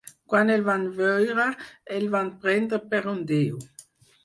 Quan el van veure el van prendre per un déu.